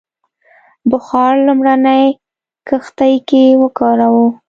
بخار لومړنۍ کښتۍ کې وکاراوه.